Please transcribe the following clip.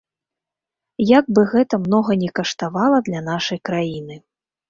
Як бы гэта многа ні каштавала для нашай краіны.